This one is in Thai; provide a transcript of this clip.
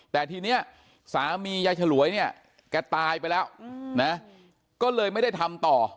แต่ทีนี้สามียายฉลวยเนี่ยแกตายไปแล้วนะก็เลยไม่ได้ทำต่อ